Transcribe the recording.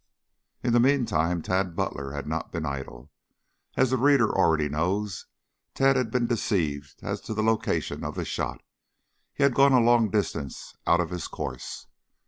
In the meantime Tad Butler had not been idle. As the reader already knows, Tad had been deceived as to the location of the shot. He had gone a long distance out of his course.